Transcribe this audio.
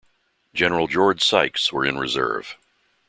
Gen. George Sykes were in reserve.